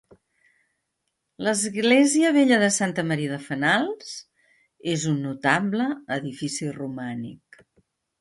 L'església vella de Santa Maria de Fenals és un notable edifici romànic.